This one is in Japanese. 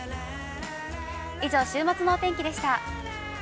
以上、週末のお天気でした。